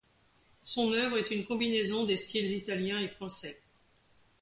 Son œuvre est une combinaison des styles italien et français.